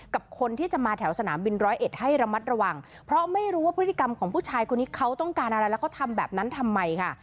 กับคนที่จะมาแถวสนามบินร้อยเอ็ดให้ระมัดระวังเพราะไม่รู้ว่าพฤติกรรมของผู้ชายคนนี้เขาต้องการอะไรแล้วเขาทำแบบนั้นทำไมค่ะ